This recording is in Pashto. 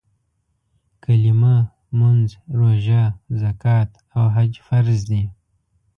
کلیمه، مونځ، روژه، زکات او حج فرض دي.